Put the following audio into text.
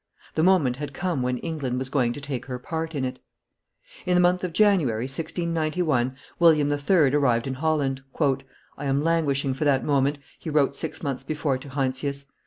The moment had come when England was going to take her part in it. In the month of January, 1691, William III. arrived in Holland. "I am languishing for that moment," he wrote six months before to Heinsius.